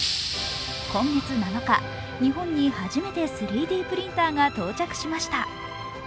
今月７日、日本に初めて３Ｄプリンターが到着しました。